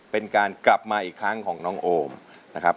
เป็นการกลับมาอีกครั้งของน้องโอมนะครับ